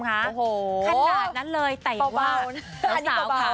โอโหขนาดนั้นเลยแต่ว่า